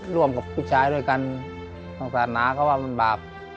และกับผู้จัดการที่เขาเป็นดูเรียนหนังสือ